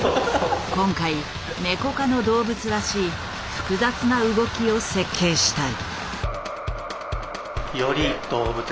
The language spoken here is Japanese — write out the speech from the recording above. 今回ネコ科の動物らしい複雑な動きを設計したい。